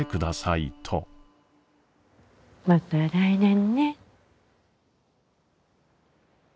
また来年ね。